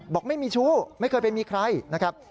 บอกไม่มีชู้ไม่เคยไปมีใครนะครับ